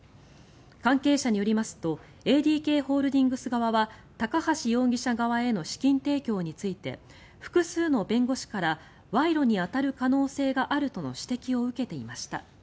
関係者によりますとＡＤＫホールディングス側は高橋容疑者側への資金提供について複数の弁護士から賄賂に当たる可能性があるとの指摘を受けていました。